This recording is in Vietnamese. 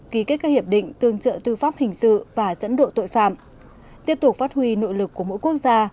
ký kết các hiệp định tương trợ tư pháp hình sự và dẫn độ tội phạm tiếp tục phát huy nội lực của mỗi quốc gia